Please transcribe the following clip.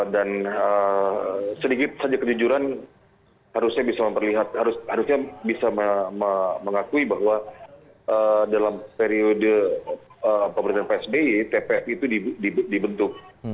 dan sedikit saja kejujuran harusnya bisa memperlihatkan harusnya bisa mengakui bahwa dalam periode pemerintahan psb tpf itu dibentuk